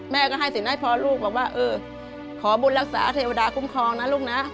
แม่ก็ให้สินให้พอลูกบอกว่าเออขอบุญรักษาเทวดาคุ้มครองนะลูกนะ